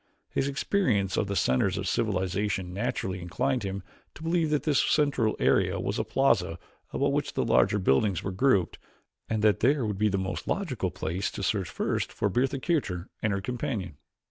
His experience of the centers of civilization naturally inclined him to believe that this central area was a plaza about which the larger buildings were grouped and that there would be the most logical place to search first for Bertha Kircher and her companion.